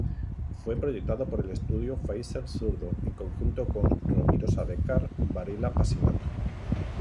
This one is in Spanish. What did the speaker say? Fue proyectado por el estudio Pfeifer-Zurdo en conjunto con Robirosa-Beccar Varela-Pasinato.